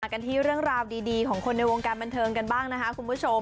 กันที่เรื่องราวดีของคนในวงการบันเทิงกันบ้างนะคะคุณผู้ชม